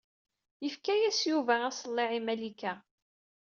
Yefka-yas Yuba aṣelliɛ i Malika.